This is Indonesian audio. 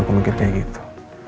aku mikir kayak gitu